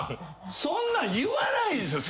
そんなん言わないですよ